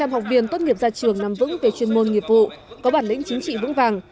một trăm linh học viên tốt nghiệp ra trường nằm vững về chuyên môn nghiệp vụ có bản lĩnh chính trị vững vàng